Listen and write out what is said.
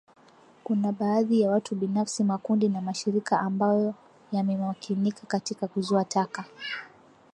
Kuna baadhi ya watu binafsi makundi na mashirika ambayo yamemakinika katika kuzoa taka